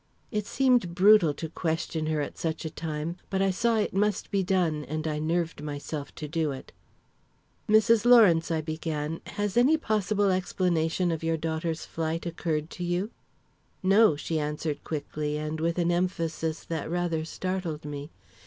It seemed brutal to question her at such a time, but I saw it must be done and I nerved myself to do it. "Mrs. Lawrence," I began, "has any possible explanation of your daughter's flight occurred to you?" "No," she answered quickly, and with an emphasis that rather startled me.